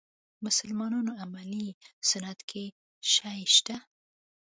مسلمانانو عملي سنت کې شی شته.